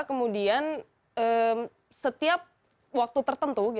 kemudian setiap waktu tertentu